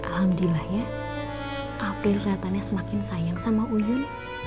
alhamdulillah ya april kelihatannya semakin sayang sama uyun